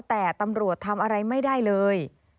แต่ตำรวจทำอะไรไม่ได้เลย